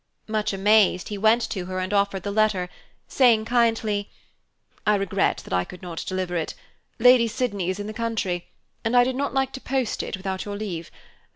Much amazed, he went to her and offered the letter, saying kindly, "I regret that I could not deliver it. Lady Sydney is in the country, and I did not like to post it without your leave.